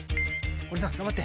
堀内さん頑張って。